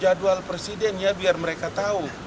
jadwal presiden ya biar mereka tahu